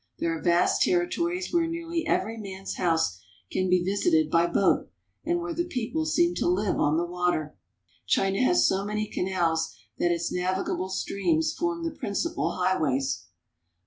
There are vast territories where nearly every man's house can be visited by boat, and where the people seem to live on the water. China has so many canals that its navigable streams form the principal highways.